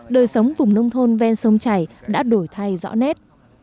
đời sống vùng nông thôn ven sông chảy đã đổi thay rõ nét